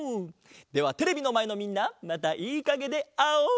ではテレビのまえのみんなまたいいかげであおう！